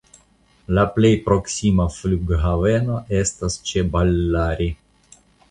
La plej proksima flughaveno estas ĉe Ballari.